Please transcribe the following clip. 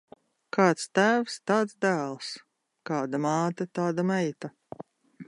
Kāds tēvs, tāds dēls; kāda māte, tāda meita.